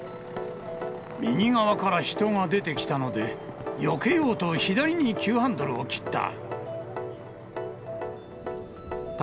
右側から人が出てきたので、よけようと左に急ハンドルを切った。